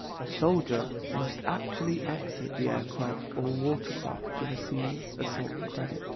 A soldier must actually exit the aircraft or watercraft to receive assault credit.